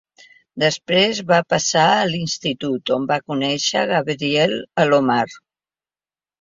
Després va passar a l'Institut, on va conèixer Gabriel Alomar.